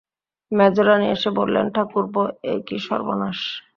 মেজোরানী এসে বললেন, ঠাকুরপো, এ কী সর্বনাশ!